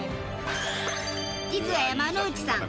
実は山之内さん